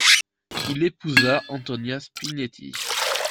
Il épousa Antonia Spinetti.